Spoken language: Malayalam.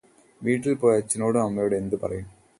വീട്ടിൽ പോയി അച്ഛനോടും അമ്മയോടും എന്തുപറയും